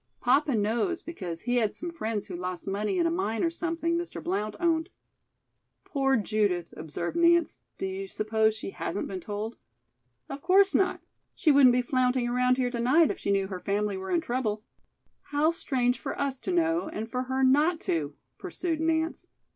"Papa knows because he had some friends who lost money in a mine or something Mr. Blount owned." "Poor Judith," observed Nance. "Do you suppose she hasn't been told?" "Of course not. She wouldn't be flaunting around here to night if she knew her family were in trouble." "How strange for us to know and for her not to!" pursued Nance.